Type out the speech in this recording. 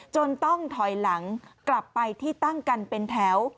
ต้องถอยหลังกลับไปที่ตั้งกันเป็นแถว